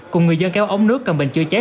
cùng người dân kéo ống nước cầm bình chữa cháy